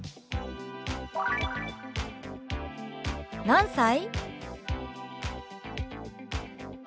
「何歳？」。